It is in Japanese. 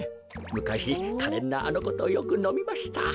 むかしかれんなあのことよくのみました。